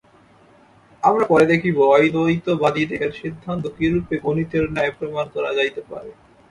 আমরা পরে দেখিব, অদ্বৈতবাদীদের সিদ্ধান্ত কিরূপে গণিতের ন্যায় প্রমাণ করা যাইতে পারে।